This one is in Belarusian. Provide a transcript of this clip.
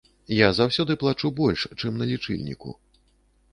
Я заўсёды плачу больш, чым на лічыльніку.